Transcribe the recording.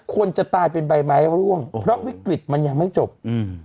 คนจะตายเป็นใบไม้ร่วงเพราะวิกฤตมันยังไม่จบอืม